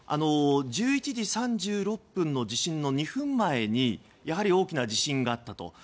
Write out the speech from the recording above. １１時３６分の地震の２分前にやはり大きな地震があったと。